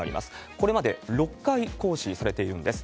これまで６回行使されているんです。